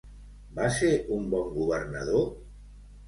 Va ser un bon governador?